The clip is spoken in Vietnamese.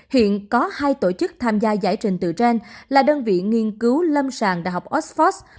hiện có hai tổ chức tham gia giải trình tự gen là đơn viện nghiên cứu lâm sàng đh oxford